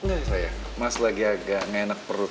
nggak bisa ya mas lagi agak ngenek perut